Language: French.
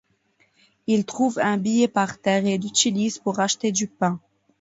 Ils trouvent un billet par terre et l'utilise pour acheter du pain.